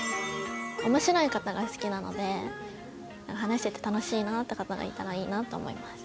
面白い方が好きなので話してて楽しいなって方がいたらいいなと思います。